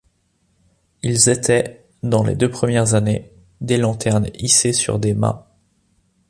Ils étaient, dans les deux premières années, des lanternes hissées sur des mâts.